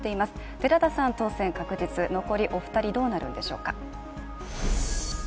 寺田さん、当選確実、残りお二人どうなるんでしょうか。